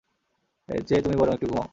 এর চেয়ে তুমি বরং একটু ঘুমাও।